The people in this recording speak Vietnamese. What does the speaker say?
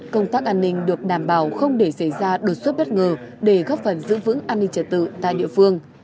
công tác an ninh được đảm bảo không để xảy ra đột xuất bất ngờ để góp phần giữ vững an ninh trật tự tại địa phương